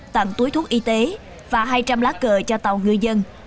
tặng túi thuốc y tế và hai trăm linh lá cờ cho tàu người dân